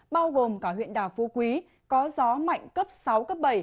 bao gồm cả huyện đảo phú quý có gió mạnh cấp sáu cấp bảy